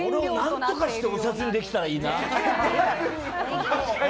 なんとかしてお札にできたらいいな。